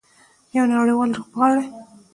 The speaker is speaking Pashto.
یو نړیوال لوبغاړی.